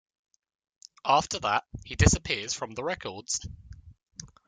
After that he disappears from the records.